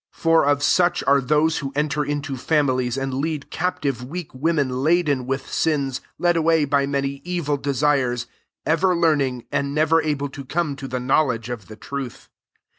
345 6 For of such are those who enter into families, and lead captive weak women laden with sins, led away by many evii de sires, 7 ever learning, and never able to come to the knowledge of the truth.